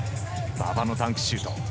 馬場のダンクシュート。